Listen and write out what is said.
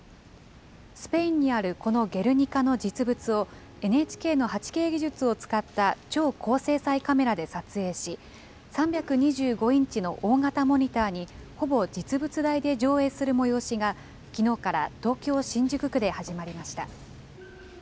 スペインにあるこのゲルニカの実物を、ＮＨＫの８Ｋ技術を使った超高精細カメラで撮影し、３２５インチの大型モニターに、ほぼ実物大で上映する催しが、きのうから東京・新宿区で始まりました。